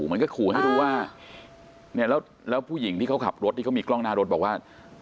มันก็ขู่ให้รู้ว่าเนี่ยแล้วผู้หญิงที่เขาขับรถที่เขามีกล้องหน้ารถบอกว่า